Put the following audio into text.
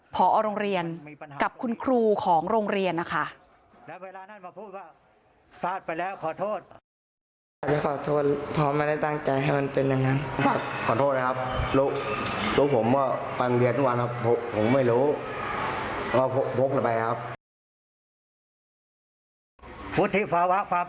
พอโรงเรียนกับคุณครูของโรงเรียนนะคะ